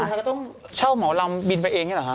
สุดท้ายก็ต้องเช่าเหมาลำบินไปเองนี่หรือคะ